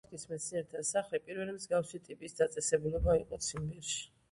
ტომსკის მეცნიერთა სახლი პირველი მსგავსი ტიპის დაწესებულება იყო ციმბირში.